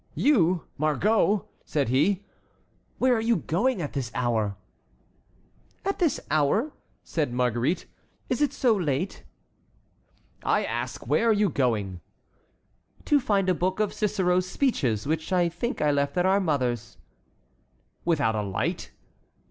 "You, Margot!" said he. "Where are you going at this hour?" "At this hour!" said Marguerite. "Is it so late?" "I ask where you are going?" "To find a book of Cicero's speeches, which I think I left at our mother's." "Without a light?"